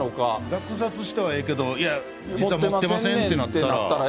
落札したはええけど、いや、実は持ってませんってなったら。